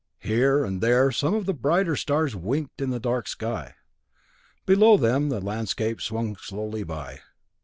Here and there some of the brighter stars winked in the dark sky. Below them the landscape swung slowly by.